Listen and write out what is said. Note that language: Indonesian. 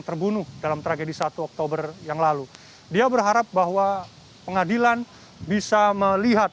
terbunuh dalam tragedi satu oktober yang lalu dia berharap bahwa pengadilan bisa melihat